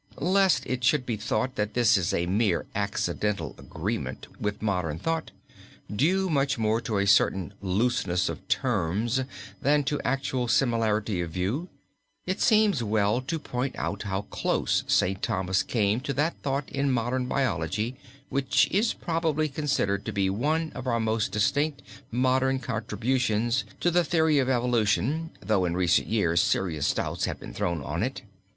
Lest it should be thought that this is a mere accidental agreement with modern thought, due much more to a certain looseness of terms than to actual similarity of view, it seems well to point out how close St. Thomas came to that thought in modern biology, which is probably considered to be one of our distinct modern contributions to the theory of evolution, though, in recent years, serious doubts have been thrown on it.